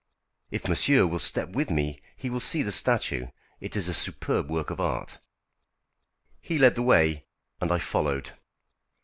If monsieur will step with me he will see the statue; it is a superb work of art." He led the way, and I followed.